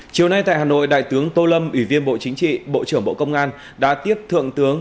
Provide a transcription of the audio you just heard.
chiều nay tại hà nội đại tướng tô lâm ủy viên bộ chính trị bộ trưởng bộ công an đã tiếp thượng tướng